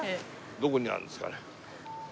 どこにあるんですかね？